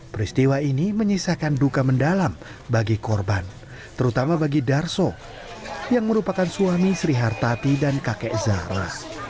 peristiwa ini menyisakan duka mendalam bagi korban terutama bagi darso yang merupakan suami sri hartati dan kakek zahra